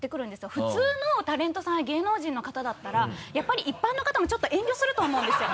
普通のタレントさんや芸能人の方だったらやっぱり一般の方もちょっと遠慮すると思うんですよ。